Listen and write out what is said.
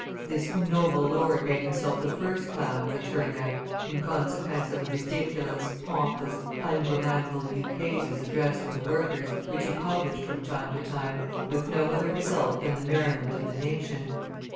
This "noble" lord made himself the first clown of the turnout in consequence of the ridiculous, pompous, ungrammatical ukases addressed to the workers, which he published from time to time, with no other result than the merriment of the nation.